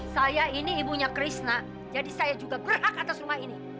saya ini ibunya krishna jadi saya juga berhak atas rumah ini